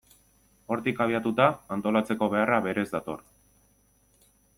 Hortik abiatuta, antolatzeko beharra berez dator.